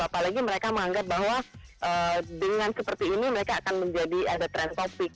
apalagi mereka menganggap bahwa dengan seperti ini mereka akan menjadi ada trend topic